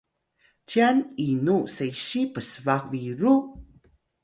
cyan inu sesiy psbaq biru?